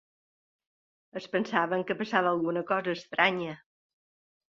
Es pensaven que passava alguna cosa estranya.